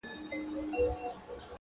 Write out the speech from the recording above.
دریم پوښتنه د سرکار او د جهاد کوله-